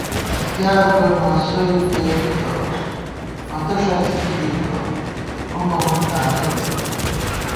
اِختیار گوئی ماسوئےتېر بِتہ، پتہ ݭڅی کی گِرِکہ، بُمہ مُوئی تانَئی بېنٹُوم